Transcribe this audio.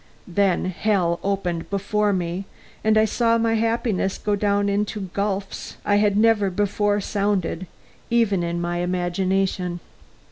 Then hell opened before me, and I saw my happiness go down into gulfs I had never before sounded, even in imagination.